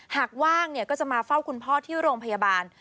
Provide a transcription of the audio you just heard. หากว่างก็จะมาเฝ้าคุณพ่อที่โรงพยาบาล